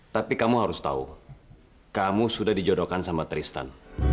tapi kamu harus tahu kamu sudah dijodohkan sama tristan